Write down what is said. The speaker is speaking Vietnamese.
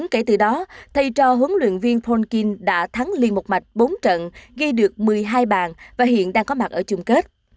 kể từ đó thay cho huấn luyện viên phong kien đã thắng liên một mạch bốn trận gây được một mươi hai bàn và hiện đang có mặt ở chung kết